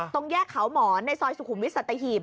ตรงแยกเขาหมอนในซอยสุขุมวิทยสัตหีบ